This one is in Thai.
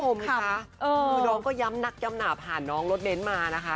คือน้องก็ย้ำนักย้ำหนาผ่านน้องรถเบ้นมานะคะ